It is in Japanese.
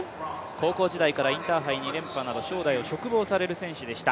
高校時代からインターハイ２連覇など、将来を嘱望される選手でした。